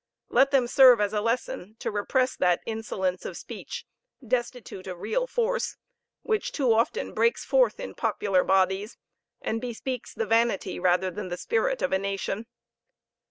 Let them serve as a lesson to repress that insolence of speech, destitute of real force, which too often breaks forth in popular bodies, and bespeaks the vanity rather than the spirit of a nation.